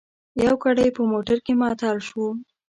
یو ګړی په موټر کې معطل شوو.